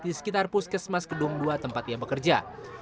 di sekitar puskesmas kedua dua tempat yang bekerja